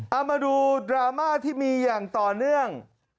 เอามาดูดราม่าที่มีอย่างต่อเนื่อง